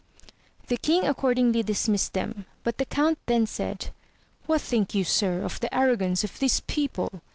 The king accordingly dismissed them, but the count then said. What think you sir, of the arrogance of this people?